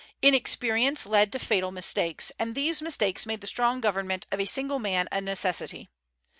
Inexperience led to fatal mistakes, and these mistakes made the strong government of a single man a necessity.